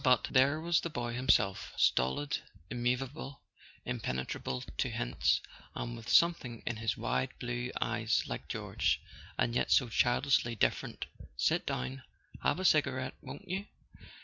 But there was the boy himself, stolid, immovable, impenetrable to hints, and with something in his wide blue eyes like George—and yet so childishly different. "Sit down—have a cigarette, won't you